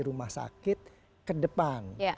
rumah sakit ke depan